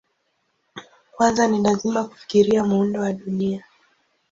Kwanza ni lazima kufikiria muundo wa Dunia.